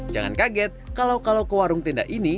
jangan kaget kalau kalau ke warung tenda ini